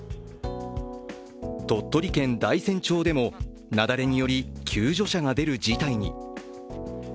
鳥取県大山町でも、雪崩により救助者が出る事態に。